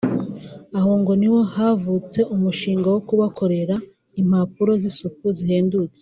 Aho ngo niho havutse umushinga wo kubakorera impapuro z’isuku zihendutse